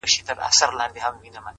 غواړمه چي دواړي سترگي ورکړمه ـ